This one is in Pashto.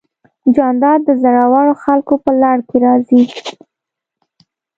جانداد د زړورو خلکو په لړ کې راځي.